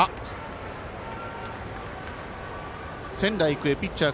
仙台育英ピッチャー